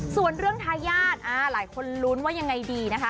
ส่วนเรื่องทายาทหลายคนลุ้นว่ายังไงดีนะคะ